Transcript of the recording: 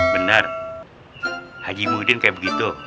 benar haji muhydin kayak begitu